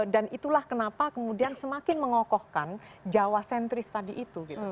dan itulah kenapa kemudian semakin mengokohkan jawa sentris tadi itu